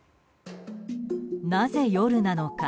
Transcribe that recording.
なぜ夜なのか。